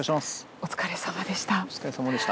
お疲れさまでした。